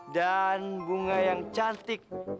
dan bunga yang cantik